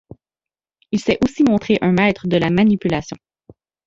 Il s'est aussi montré un maître de la manipulation.